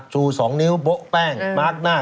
ชู๒นิ้วโป๊ะแป้งมาร์คหน้า